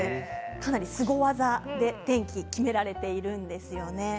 かなりスゴ技で天気を決められているんですよね。